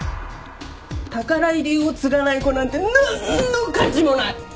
宝居流を継がない子なんてなんの価値もない！